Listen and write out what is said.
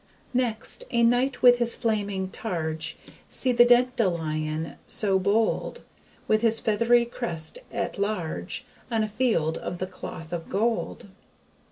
Next, a knight with his flaming targe See the DENT DE LION so bold With his feathery crest at large, On a field of the cloth of gold.